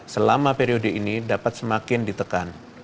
selama periode ini dapat semakin ditekan